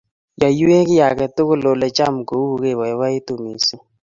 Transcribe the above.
Yewek kiy ake tukul ole cham ko uu kepoipoitu missing'